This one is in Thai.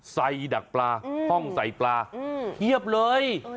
ใส่ดักปลาห้องใส่ปลาเพียบเลย